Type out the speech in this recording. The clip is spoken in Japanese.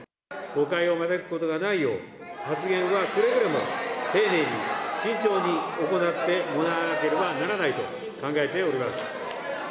誤解を招くことがないよう、発言はくれぐれも、丁寧に慎重に行ってもらわなければならないと考えております。